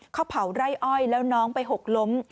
เขาเผาไร่อ้อยแล้วน้องไปหกล้ม